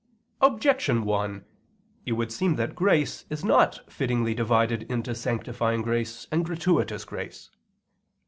Objection 1: It would seem that grace is not fittingly divided into sanctifying grace and gratuitous grace.